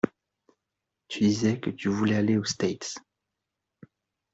Tu disais que tu voulais aller aux States.